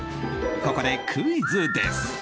ここでクイズです。